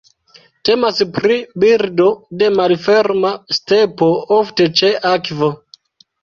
Temas pri birdo de malferma stepo, ofte ĉe akvo.